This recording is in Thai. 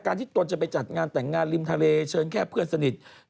ที่ตนจะไปจัดงานแต่งงานริมทะเลเชิญแค่เพื่อนสนิท